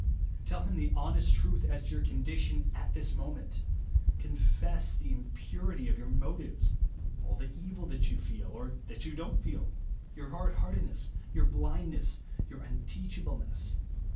Tell him the honest truth as to your condition at this moment. Confess the impurity of your motives ; all the evil that you feel or that you don't feel ; your hard heartedness, your blindness, your unteachableness.